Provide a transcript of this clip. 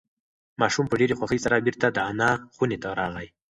ماشوم په ډېرې خوښۍ سره بیرته د انا خونې ته راغی.